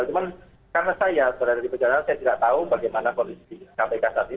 cuma karena saya sudah dari pejabat saya tidak tahu bagaimana polisi kpk saat ini